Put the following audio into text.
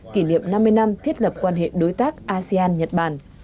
kỷ niệm năm mươi năm thiết lập quan hệ đối tác asean nhật bản